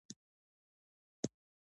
د کندهار په شورابک کې د ګچ نښې شته.